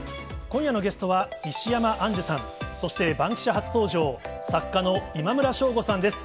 今夜のゲストは、石山アンジュさん、そしてバンキシャ初登場、作家の今村翔吾さんです。